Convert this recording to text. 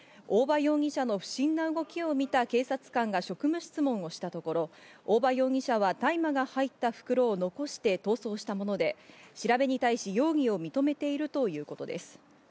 大場容疑者の不審な動きを見た警察官が職務質問をしたところ、大場容疑者は大麻が入った袋を残して逃走したもので、調べに対し、容疑を認めているということです。